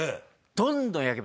どんどん焼けば。